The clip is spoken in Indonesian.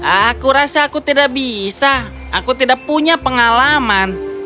aku rasa aku tidak bisa aku tidak punya pengalaman